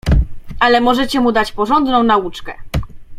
"Ale możecie mu dać porządną nauczkę."